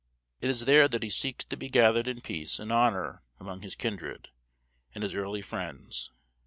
It is there that he seeks to be gathered in peace and honor among his kindred and his early friends.